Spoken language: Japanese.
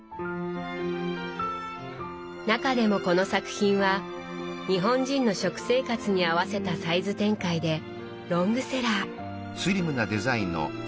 中でもこの作品は日本人の食生活に合わせたサイズ展開でロングセラー。